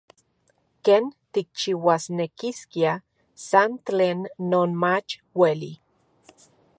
Ken tikchiuasnekiskia san tlen non mach ueli.